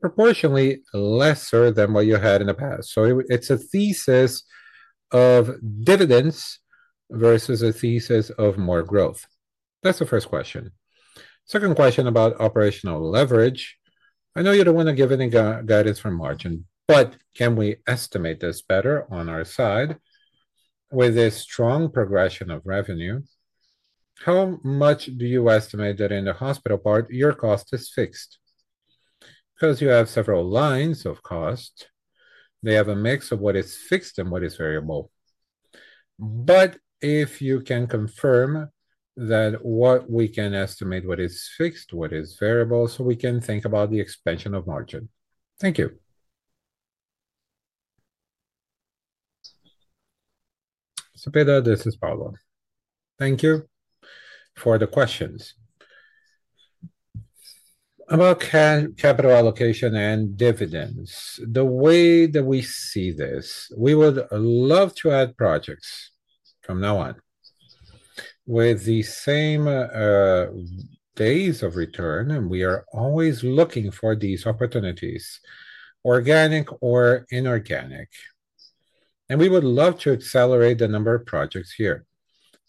Proportionally lesser than what you had in the past. It is a thesis of dividends versus a thesis of more growth. That is the first question. Second question about operational leverage. I know you do not want to give any guidance from margin, but can we estimate this better on our side? With this strong progression of revenue, how much do you estimate that in the hospital part, your cost is fixed? Because you have several lines of cost. They have a mix of what is fixed and what is variable. If you can confirm that, what we can estimate, what is fixed, what is variable, so we can think about the expansion of margin. Thank you. Zepeda, this is Paulo. Thank you for the questions. About capital allocation and dividends, the way that we see this, we would love to add projects from now on with the same days of return, and we are always looking for these opportunities. Organic or inorganic. We would love to accelerate the number of projects here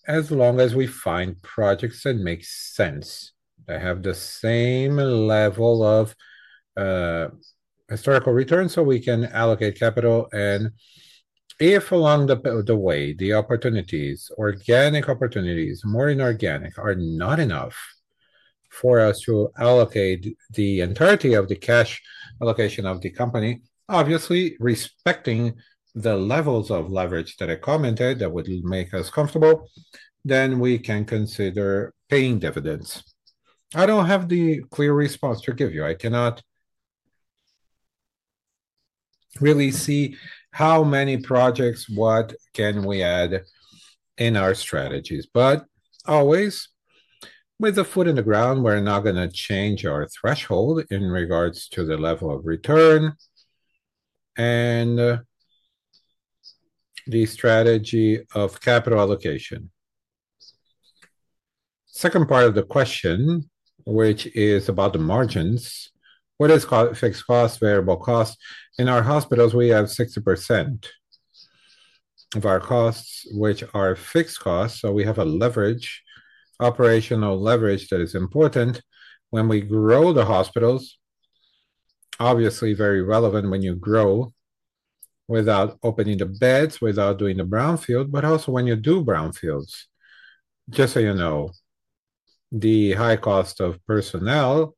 as long as we find projects that make sense, that have the same level of historical return so we can allocate capital. If along the way, the opportunities, organic opportunities, more inorganic, are not enough for us to allocate the entirety of the cash allocation of the company, obviously respecting the levels of leverage that I commented that would make us comfortable, we can consider paying dividends. I do not have the clear response to give you. I cannot really see how many projects, what can we add in our strategies. Always with the foot in the ground, we are not going to change our threshold in regards to the level of return. The strategy of capital allocation. Second part of the question, which is about the margins, what is fixed cost, variable cost? In our hospitals, we have 60% of our costs, which are fixed costs. We have operational leverage that is important when we grow the hospitals. Obviously, very relevant when you grow without opening the beds, without doing the brownfield, but also when you do brownfields. Just so you know, the high cost of personnel,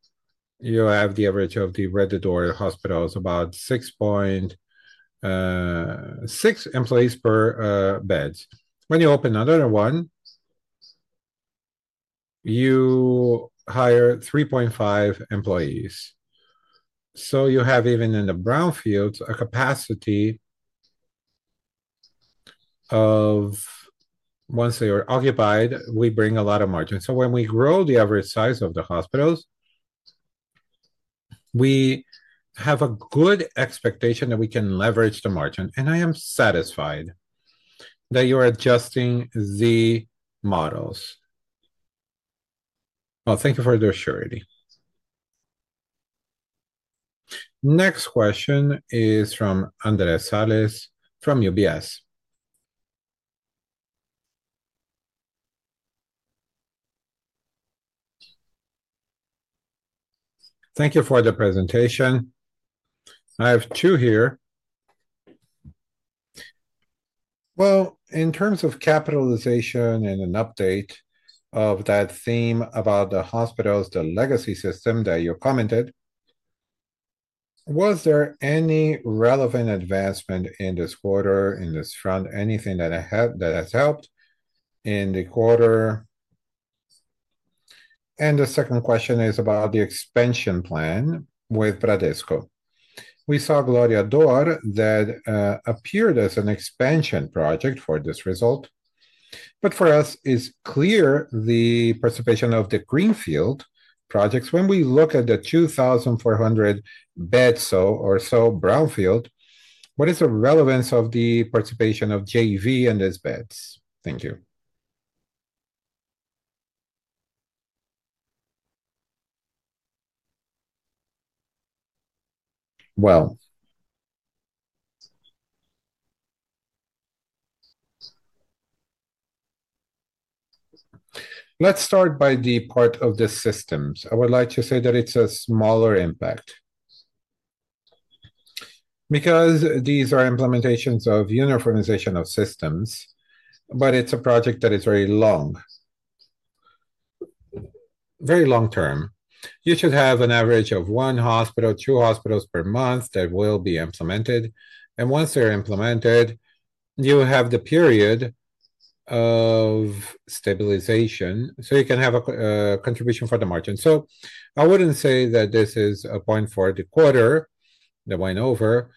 you have the average of the Rede D'Or hospitals, about 6.6 employees per bed. When you open another one, you hire 3.5 employees. You have, even in the brownfields, a capacity. Once they are occupied, we bring a lot of margin. When we grow the average size of the hospitals, we have a good expectation that we can leverage the margin. I am satisfied that you are adjusting the models. Thank you for the surety. Next question is from Andre Salles of UBS. Thank you for the presentation. I have two here. In terms of capitalization and an update of that theme about the hospitals, the legacy system that you commented. Was there any relevant advancement in this quarter, in this front, anything that has helped in the quarter? The second question is about the expansion plan with Bradesco. We saw Glória D'Or that appeared as an expansion project for this result. For us, it is clear the participation of the Greenfield projects. When we look at the 2,400 beds or so brownfield, what is the relevance of the participation of JV and its beds? Thank you. Let's start by the part of the systems. I would like to say that it is a smaller impact because these are implementations of uniformization of systems, but it's a project that is very long. Very long-term. You should have an average of one hospital, two hospitals per month that will be implemented. Once they're implemented, you have the period of stabilization. You can have a contribution for the margin. I wouldn't say that this is a point for the quarter that went over,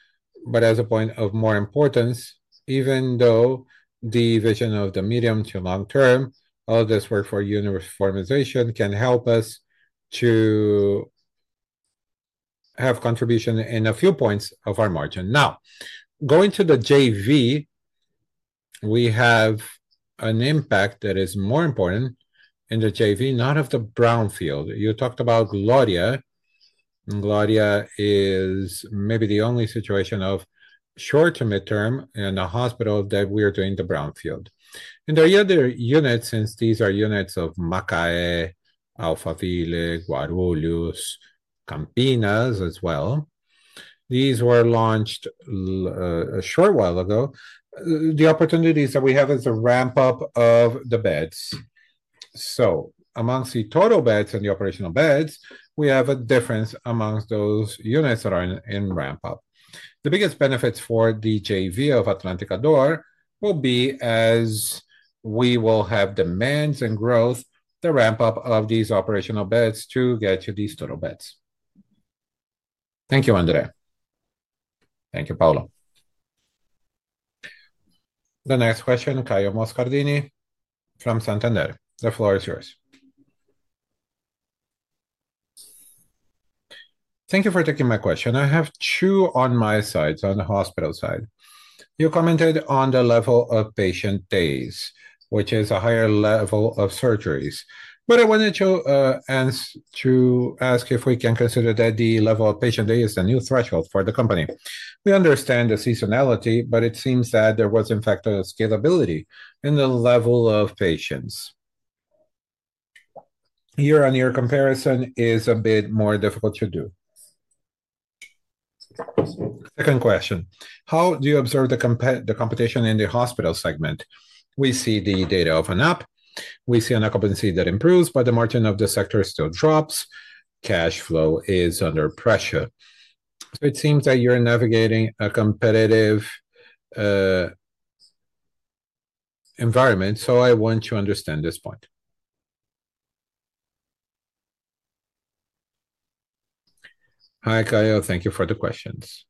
but as a point of more importance, even though the vision of the medium to long-term, all this work for uniformization can help us to have contribution in a few points of our margin. Now, going to the JV. We have an impact that is more important in the JV, not of the brownfield. You talked about Gloria. Gloria is maybe the only situation of short to midterm in a hospital that we are doing the brownfield. The other units, since these are units of Macaé, Alphaville, Guarulhos, Campinas as well. These were launched a short while ago. The opportunities that we have is a ramp-up of the beds. So amongst the total beds and the operational beds, we have a difference amongst those units that are in ramp-up. The biggest benefits for the JV of Atlântica D'Or will be as we will have demands and growth, the ramp-up of these operational beds to get to these total beds. Thank you, Andre. Thank you, Paulo. The next question, Caio Moscardini from Santander. The floor is yours. Thank you for taking my question. I have two on my side, on the hospital side. You commented on the level of patient days, which is a higher level of surgeries. But I wanted to ask if we can consider that the level of patient days is a new threshold for the company. We understand the seasonality, but it seems that there was, in fact, a scalability in the level of patients. Year-on-year comparison is a bit more difficult to do. Second question. How do you observe the competition in the hospital segment? We see the data open up. We see an occupancy that improves, but the margin of the sector still drops. Cash flow is under pressure. It seems that you're navigating a competitive environment. I want to understand this point. Hi, Caio. Thank you for the questions.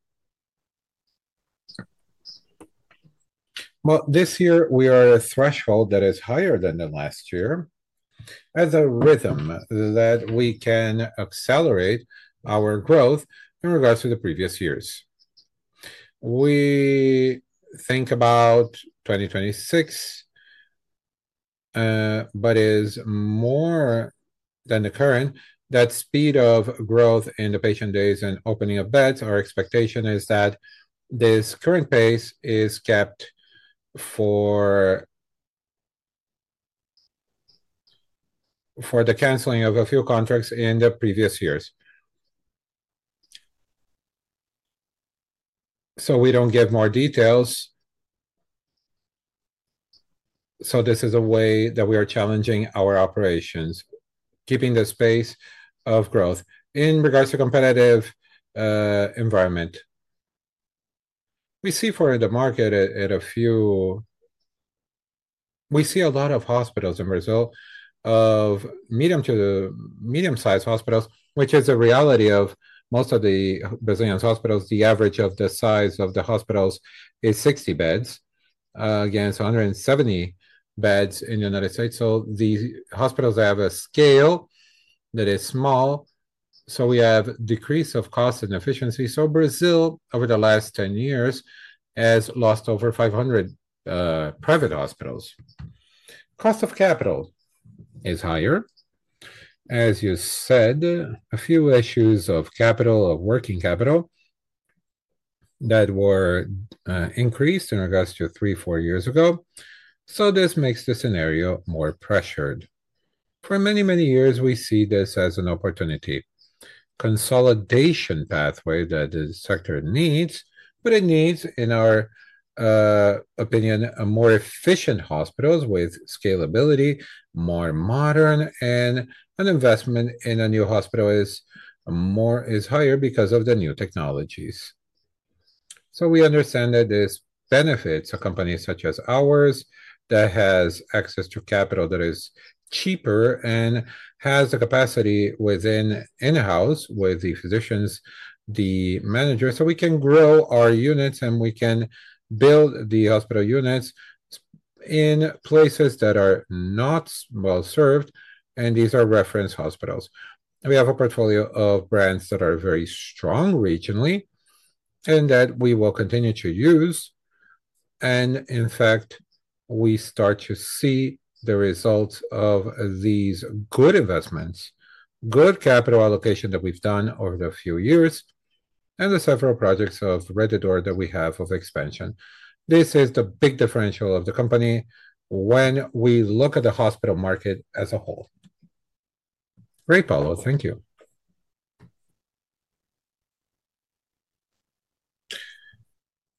This year, we are at a threshold that is higher than last year. As a rhythm that we can accelerate our growth in regards to the previous years. We think about 2026 it is more than the current, that speed of growth in the patient days and opening of beds, our expectation is that this current pace is kept. For the canceling of a few contracts in the previous years, we do not give more details. This is a way that we are challenging our operations, keeping this pace of growth. In regards to the competitive environment, we see for the market at a few, we see a lot of hospitals in Brazil, medium-sized hospitals, which is the reality of most of the Brazilian hospitals. The average size of the hospitals is 60 beds. Again, it is 170 beds in the United States. The hospitals that have a scale that is small, so we have a decrease of cost and efficiency. Brazil, over the last 10 years, has lost over 500 private hospitals. Cost of capital Is higher. As you said, a few issues of capital, of working capital that were increased in regards to three, four years ago. This makes the scenario more pressured. For many, many years, we see this as an opportunity. Consolidation pathway that the sector needs, but it needs, in our opinion, more efficient hospitals with scalability, more modern, and an investment in a new hospital is higher because of the new technologies. We understand that this benefits a company such as ours that has access to capital that is cheaper and has the capacity within in-house with the physicians, the managers. We can grow our units, and we can build the hospital units in places that are not well-served, and these are reference hospitals. We have a portfolio of brands that are very strong regionally and that we will continue to use. In fact, we start to see the results of these good investments, good capital allocation that we've done over the few years, and the several projects of Rede D'Or that we have of expansion. This is the big differential of the company. When we look at the hospital market as a whole. Great, Paulo. Thank you.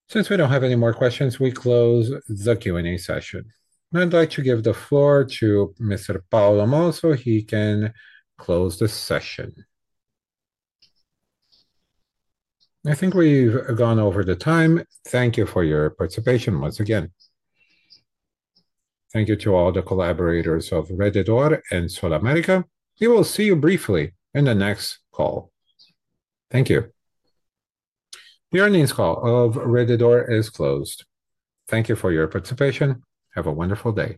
Since we do not have any more questions, we close the Q&A session. I would like to give the floor to Mr. Paulo Moll. He can close the session. I think we have gone over the time. Thank you for your participation once again. Thank you to all the collaborators of Rede D'Or and SulAmérica. We will see you briefly in the next call. Thank you. The earnings call of Rede D'Or is closed. Thank you for your participation. Have a wonderful day.